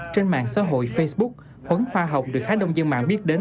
trên mạng xã hội facebook huấn hoa hồng được khá đông dân mạng biết đến